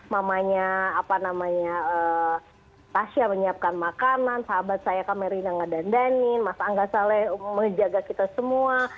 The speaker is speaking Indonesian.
mamanya apa namanya tasya menyiapkan makanan sahabat saya kamerina ngadan danin mas angga saleh menjaga kita semua